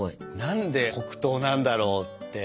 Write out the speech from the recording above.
何で黒糖なんだろうって。